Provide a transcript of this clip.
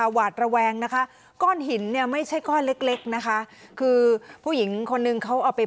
หวาดระแวงนะคะก้อนหินเนี่ยไม่ใช่ก้อนเล็กเล็กนะคะคือผู้หญิงคนนึงเขาเอาไป